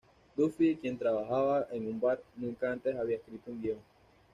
Duffy, quien trabajaba en un bar, nunca antes había escrito un guion.